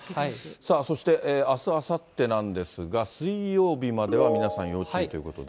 そして、あす、あさってなんですが、水曜日までは皆さん、要注意ということで。